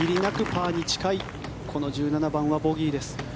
パーに近いこの１７番はボギーです。